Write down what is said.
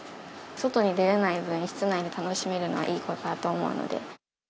外に出れない分、室内で楽しめるのはいいことだと思うので。